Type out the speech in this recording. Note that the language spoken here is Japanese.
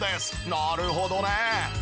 なるほどね！